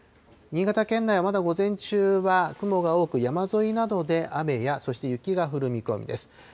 新潟県内、まだ午前中は雲が多く、山沿いなどで雨や、そして雪が降る見込みです。